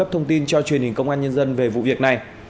và các thông tin cho truyền hình công an nhân dân về vụ việc này